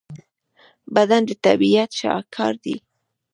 بدن د طبیعت شاهکار دی.